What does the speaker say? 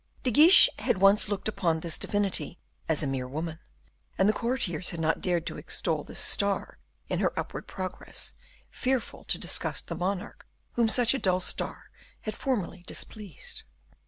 De Guiche had once looked upon this divinity as a mere woman; and the courtiers had not dared to extol this star in her upward progress, fearful to disgust the monarch whom such a dull star had formerly displeased.